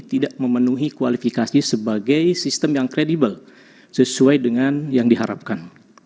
tidak memenuhi kualifikasi sebagai sistem yang kredibel sesuai dengan yang diharapkan